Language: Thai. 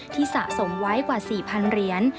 สะสมไว้กว่า๔๐๐เหรียญ